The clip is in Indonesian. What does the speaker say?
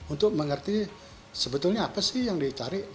untuk mengerti sebetulnya apa sih yang dicari